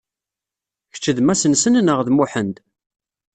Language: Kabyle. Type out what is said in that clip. Keč d Masensen neɣ d Muḥand?